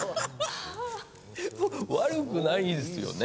悪くないですよね？